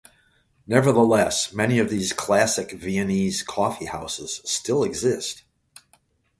Nevertheless, many of these classic Viennese coffee houses still exist.